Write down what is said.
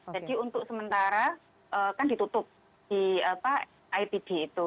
jadi untuk sementara kan ditutup di itd itu